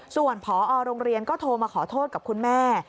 ส่วนพอโรงเรียนก็โทรมาขอโทษกับคุณแม่